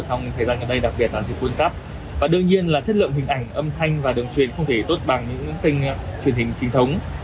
trong thời gian ngày nay đặc biệt là truyền hình quân cấp và đương nhiên là chất lượng hình ảnh âm thanh và đường truyền không thể tốt bằng những truyền hình trinh thống